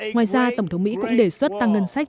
ngoài ra tổng thống mỹ cũng đề xuất tăng ngân sách